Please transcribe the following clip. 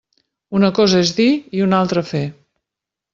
Una cosa és dir i una altra fer.